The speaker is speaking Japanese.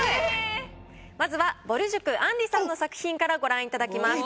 まずはぼる塾あんりさんの作品からご覧いただきます。